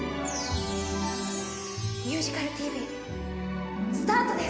「ミュージカルＴＶ」スタートです！